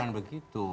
oh bukan begitu